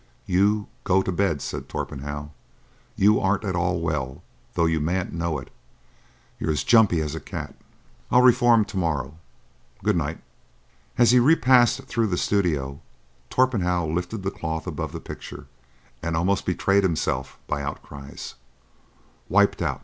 "You—go—to—bed," said Torpenhow. "You aren't at all well, though you mayn't know it. You're as jumpy as a cat." "I reform to morrow. Good night." As he repassed through the studio, Torpenhow lifted the cloth above the picture, and almost betrayed himself by outcries: "Wiped out!